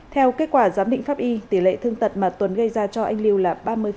theo kết quả giám định pháp y tỷ lệ thương tật mà tuấn gây ra cho anh lưu là ba mươi